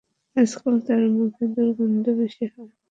আজকাল তার মুখে দুর্গন্ধ বেশি হয়।